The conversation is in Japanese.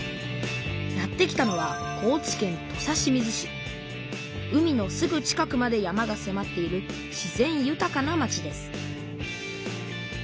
やって来たのは海のすぐ近くまで山がせまっている自然ゆたかな町です